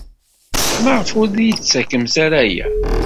Maɣef ur iyi-d-tettakfem ara aya?